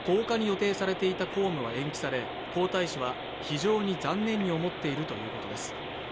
１０日に予定されていた公務は延期され、皇太子は、非常に残念に思っているということです。